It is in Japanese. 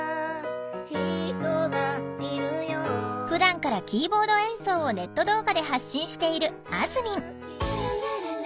ふだんからキーボード演奏をネット動画で発信しているあずみん。